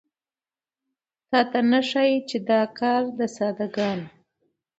تاته نه ښايي دا کار د ساده ګانو